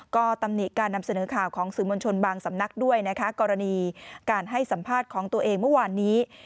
ก็ตำหนิการนำเสนอข่าวของสื่อมวลชนบางสำนักด้วยนะคะกรณีการให้สัมภาษณ์ของตัวเองเมื่อวานนี้